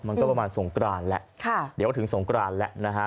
มันก็ประมาณสงกรานแหละเดี๋ยวถึงสงกรานแล้วนะฮะ